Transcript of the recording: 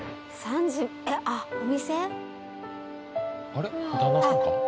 あれ旦那さんか？